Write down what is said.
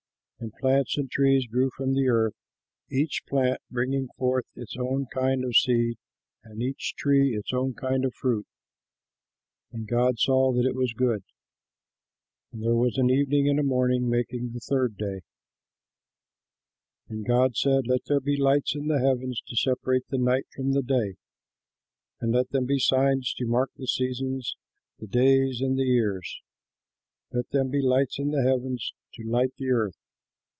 And plants and trees grew from the earth, each plant bringing forth its own kind of seed and each tree its own kind of fruit, and God saw that it was good. And there was an evening and a morning, making the third day. And God said, "Let there be lights in the heavens to separate the night from the day. Let them be signs to mark the seasons, the days, and the years. Let them be lights in the heavens to light the earth."